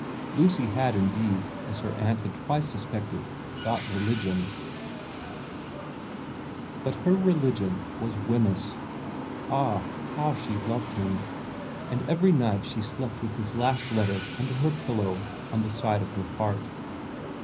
Lucy had indeed, as her aunt had twice suspected, got religion, but her religion was 74 VERA vii Wemyss. Ah, how she loved him ! And every night she slept with his last letter under her pillow on the side of her heart.